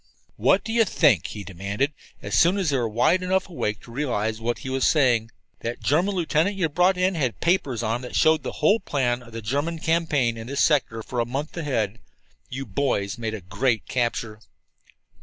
"What do you think?" he demanded, as soon as they were wide enough awake to realize what he was saying. "That German lieutenant that you brought in had papers on him that showed the whole plan of the German campaign in this sector for a month ahead. You boys made a great capture."